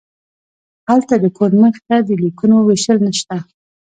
هلته د کور مخې ته د لیکونو ویشل نشته